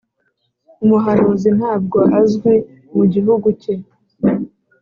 umuhanuzi ntabwo azwi mu gihugu cye